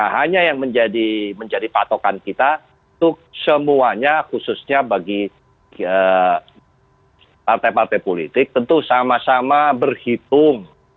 hanya yang menjadi patokan kita itu semuanya khususnya bagi partai partai politik tentu sama sama berhitung